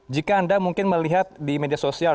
jika anda mungkin melihat di media sosial